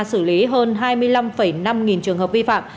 xử lý hơn hai mươi năm năm trăm linh trường hợp vi phạm